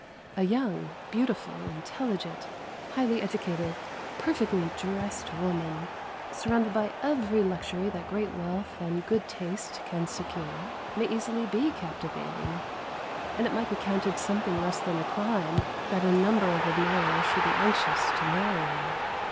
A young, beautiful, intelligent, highly educated, perfectly dressed woman, surrounded by every luxury that great wealth and good taste can secure, may easily be captivating, and it might be counted something less than a crime that a number of admirers should be anxious to marry her.